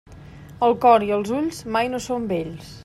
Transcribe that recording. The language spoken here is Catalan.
El cor i els ulls mai no són vells.